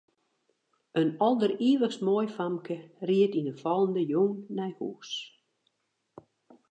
In alderivichst moai famke ried yn 'e fallende jûn nei hûs.